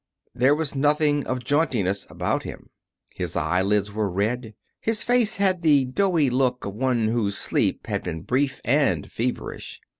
There was nothing of jauntiness about him. His eyelids were red. His face had the doughy look of one whose sleep has been brief and feverish.